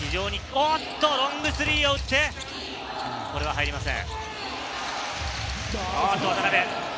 ロングスリーを打って、これは入りません。